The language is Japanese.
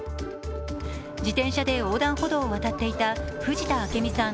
自転車で横断歩道を渡っていた藤田明美さん